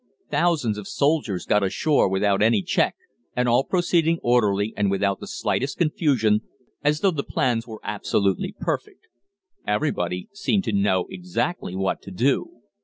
Thousands of soldiers got ashore without any check, and all proceeding orderly and without the slightest confusion, as though the plans were absolutely perfect. Everybody seemed to know exactly what to do.